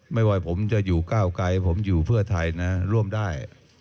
ไม่ว่าผมจะอยู่ก้าวไกลผมอยู่เพื่อไทยนะร่วมได้